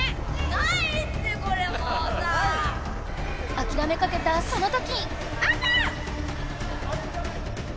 あきらめかけたその時！